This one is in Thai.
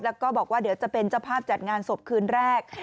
แล้วก็บอกว่าเดี๋ยวจะเป็นเจ้าภาพจัดงานศพคืนแรก